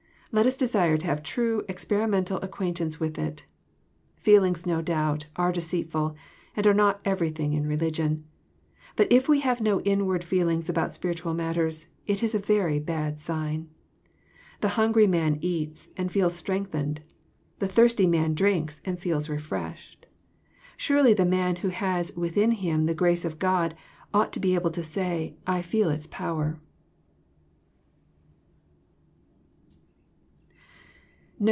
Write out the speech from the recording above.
Let us desire to have true experimental acquaint ance with it. Feelings no doubt, are deceitful, and are not everything in religion. But if we have no inward feelings about spiritual matters, it is a very bad sign. The hungry man eats, and feels strengthened ; the thirsty man drinks, and feels refreshed. Surely the man who has within him the grace of God, ought to be able to say, " I feel its power.